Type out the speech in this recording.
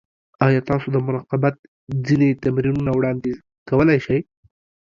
ایا تاسو د مراقبت ځینې تمرینونه وړاندیز کولی شئ؟